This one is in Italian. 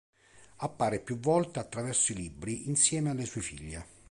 Appare più volte attraverso i libri insieme alle sue figlie.